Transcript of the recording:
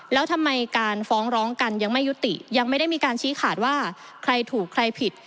แล้วทำไมการฟ้องร้องกันยังไม่ยุติยังไม่ได้มีการชี้ขาดว่าใครถูกใครผิด